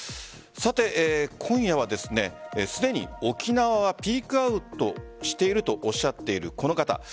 さて、今夜はすでに沖縄はピークアウトしているとおっしゃっているこの方。